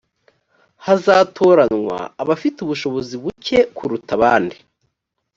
hazatoranywa abafite ubushobozi bucye kuruta abandi